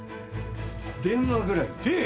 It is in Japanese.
電話ぐらい出え！